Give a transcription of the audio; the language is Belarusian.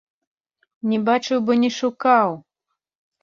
Не бачыў, бо не шукаў!